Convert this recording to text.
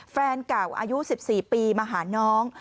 แฟนเก่าอายุ๑๔ปีมาหาน้อง